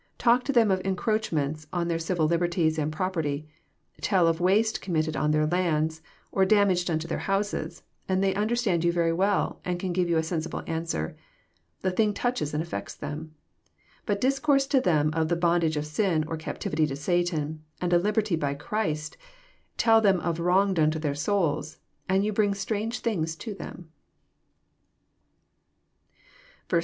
Talk to them of encroachments on their civil lib erty and property, — tell of waste committed on their lands, or damage done to their houses, and they understand you very well, and can give you a sensible answer : the thing touches and affects them. But discourse to them of the bondage of sin, or captivity to Satan, and a liberty by Christ, — tell them of wrong done to their souls, and you bring strange things to them.